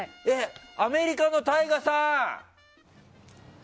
アメリカのＴＡＩＧＡさん！